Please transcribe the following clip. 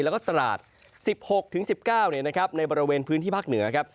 แล้วก็ตราด๑๖๑๙ในบริเวณพื้นที่ภาคเหนือครับ